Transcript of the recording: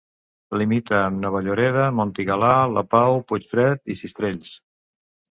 Limita amb Nova Lloreda, Montigalà, La Pau, Puigfred i Sistrells.